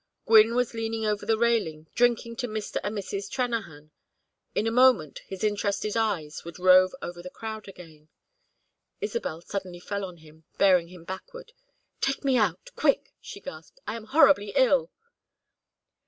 Gwynne was leaning over the railing drinking to Mr. and Mrs. Trennahan. In a moment his interested eyes would rove over the crowd again. Isabel suddenly fell on him, bearing him backward. "Take me out quick!" she gasped. "I am horribly ill!"